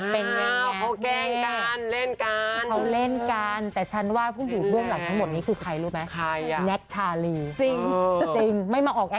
เผาไม่เผาไปดูหน่อย